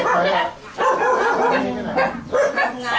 ไม่ต้องไปดูอะไรนะ